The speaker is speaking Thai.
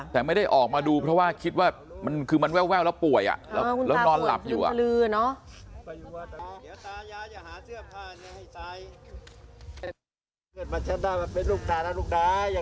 แต่ไม่ได้ออกมาดูเพราะว่าคิดว่ามันคือมันแววแล้วป่วยแล้วนอนหลับอยู่